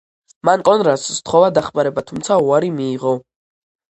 მან კონრადს სთხოვა დახმარება, თუმცა უარი მიიღო.